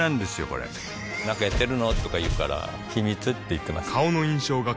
これなんかやってるの？とか言うから秘密って言ってます